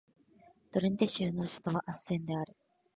ドレンテ州の州都はアッセンである